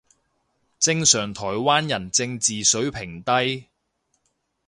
正常台灣人正字水平低